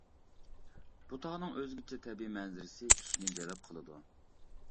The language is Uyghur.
بۇ تاغنىڭ ئۆزگىچە تەبىئىي مەنزىرىسى كىشىنى جەلپ قىلىدۇ.